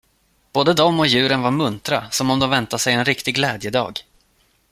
Både de och djuren var muntra, som om de väntade sig en riktig glädjedag.